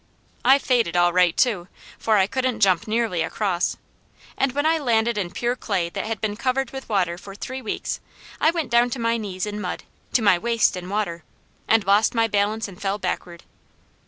I faded all right too, for I couldn't jump nearly across, and when I landed in pure clay that had been covered with water for three weeks, I went down to my knees in mud, to my waist in water, and lost my balance and fell backward.